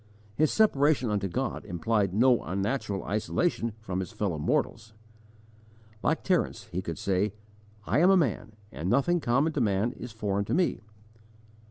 His separation unto God implied no unnatural isolation from his fellow mortals. Like Terence, he could say: "I am a man, and nothing common to man is foreign to me."